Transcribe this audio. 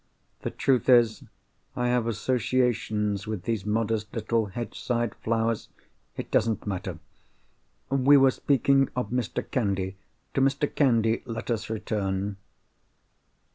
The truth is, I have associations with these modest little hedgeside flowers—It doesn't matter; we were speaking of Mr. Candy. To Mr. Candy let us return."